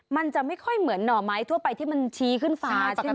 มันจะไม่ค่อยเหมือนหน่อไม้ทั่วไปที่มันชี้ขึ้นฟ้าใช่ไหม